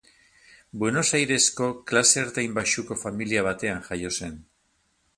Buenos Airesko klase ertain-baxuko familia batean jaio zen.